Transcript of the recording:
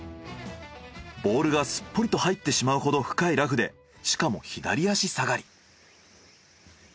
ボールがすっぽりと入ってしまうほど深いラフでしかも左足下がり。